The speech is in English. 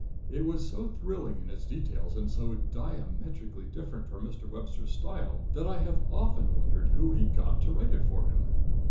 It was so thrilling in its details, and so diametrically different from Mr. Webster's style, that I have often wondered who he got to write it for him.